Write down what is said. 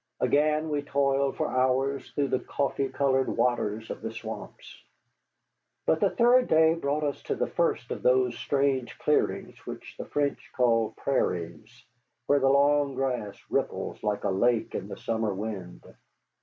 Again we toiled for hours through the coffee colored waters of the swamps. But the third day brought us to the first of those strange clearings which the French call prairies, where the long grass ripples like a lake in the summer wind.